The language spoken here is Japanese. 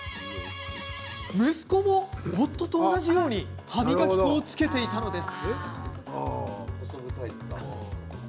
息子も夫と同じように歯磨き粉をつけていたのです。